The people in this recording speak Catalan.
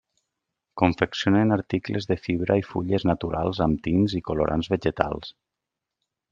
Confeccionen articles de fibra i fulles naturals amb tints i colorants vegetals.